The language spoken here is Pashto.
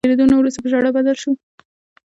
له ډیریدو نه وروسته په ژړا بدل شول.